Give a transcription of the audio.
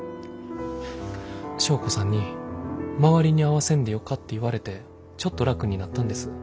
祥子さんに周りに合わせんでよかって言われてちょっと楽になったんです。